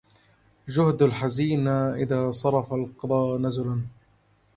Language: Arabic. جهد الحزين إذا صرف القضا نزلا